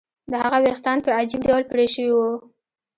د هغه ویښتان په عجیب ډول پرې شوي وو